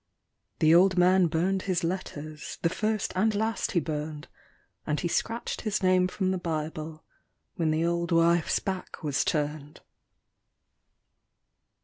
The old man burned his letters, the first and last he burned, And he scratched his name from the Bible when the old wife's back was turned.